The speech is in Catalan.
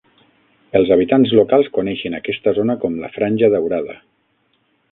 Els habitants locals coneixen aquesta zona com la "Franja daurada".